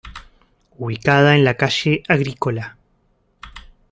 Ubicada en la calle Agrícola.